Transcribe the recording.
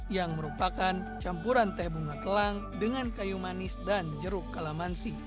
yang merupakan campuran teh bunga telang dengan kayu manis dan jeruk kalamansi